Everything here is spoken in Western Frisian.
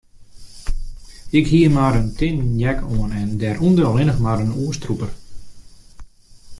Ik hie mar in tin jack oan en dêrûnder allinnich mar in oerstrûper.